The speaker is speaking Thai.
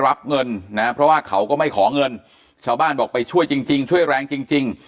รับเงินนะเพราะว่าเขาก็ไม่ขอเงินชาวบ้านบอกไปช่วยจริง